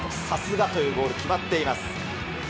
さすがというゴール、決まっています。